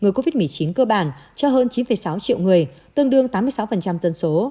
các lửa vaccine covid một mươi chín cơ bản cho hơn chín sáu triệu người tương đương tám mươi sáu dân số